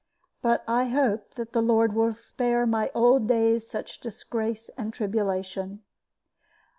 But I hope that the Lord will spare my old days such disgrace and tribulation.